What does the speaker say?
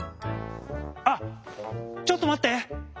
あっちょっとまって！